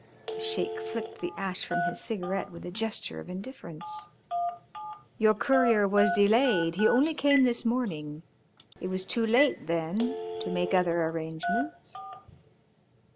The Sheik flicked the ash from his cigarette with a gesture of indifference. "Your courier was delayed, he only came this morning. It was too late then to make other arrangements."